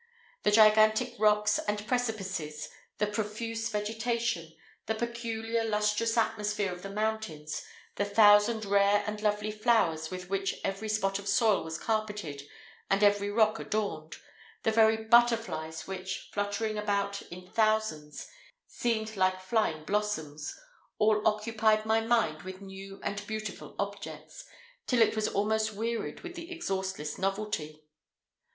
The gigantic rocks and precipices, the profuse vegetation, the peculiar lustrous atmosphere of the mountains, the thousand rare and lovely flowers with which every spot of soil was carpeted and every rock adorned, the very butterflies which, fluttering about in thousands, seemed like flying blossoms; all occupied my mind with new and beautiful objects, till it was almost wearied with the exhaustless novelty.